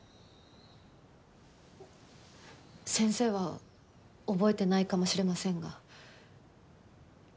先生は覚えてないかもしれませんが。